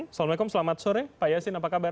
assalamualaikum selamat sore pak yasin apa kabar